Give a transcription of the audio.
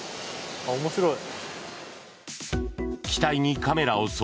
面白い。